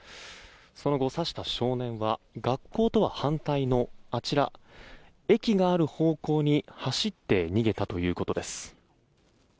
その後、刺した少年は学校とは反対の駅がある方向に走って逃げたということです。